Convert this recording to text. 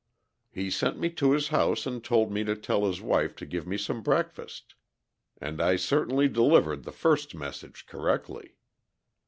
"He sent me to his house and told me to tell his wife to give me some breakfast, and I certainly delivered the first message correctly.